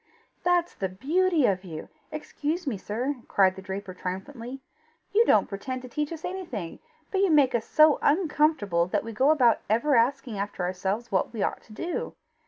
"That's the beauty of you! excuse me, sir," cried the draper triumphantly. "You don't pretend to teach us anything, but you make us so uncomfortable that we go about ever after asking ourselves what we ought to do.